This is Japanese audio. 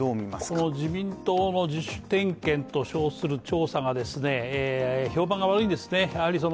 この自民党の自主点検と称する調査が、評判が悪いんですね。